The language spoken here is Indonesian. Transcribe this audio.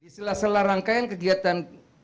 di sela sela rangkaian kegiatan